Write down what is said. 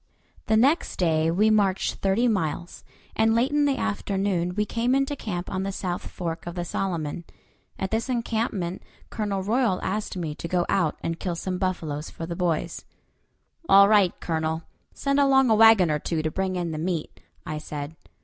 The next day we marched thirty miles, and late in the afternoon we came into camp on the south fork of the Solomon. At this encampment Colonel Royal asked me to go out and kill some buffaloes for the boys. "All right, Colonel; send along a wagon or two to bring in the meat," I said.